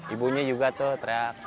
ibunya juga tuh teriak